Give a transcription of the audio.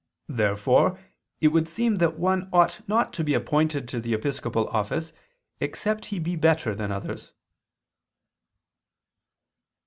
Therefore it would seem that one ought not to be appointed to the episcopal office except he be better than others.